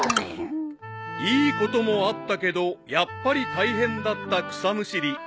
［いいこともあったけどやっぱり大変だった草むしり］